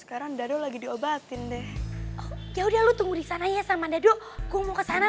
sekarang dado lagi diobatin deh oh yaudah lu tunggu di sana ya sama dado ku mau kesana